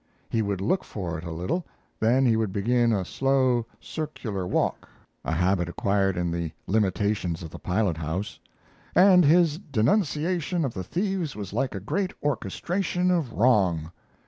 He would look for it a little; then he would begin a slow, circular walk a habit acquired in the limitations of the pilot house and his denunciation of the thieves was like a great orchestration of wrong.